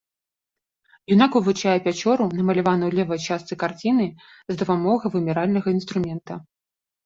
Юнак вывучае пячору, намаляваную ў левай частцы карціны, з дапамогай вымяральнага інструмента.